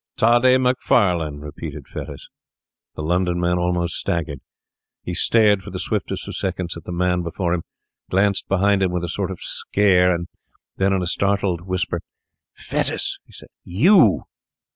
'Toddy Macfarlane!' repeated Fettes. The London man almost staggered. He stared for the swiftest of seconds at the man before him, glanced behind him with a sort of scare, and then in a startled whisper, 'Fettes!' he said, 'You!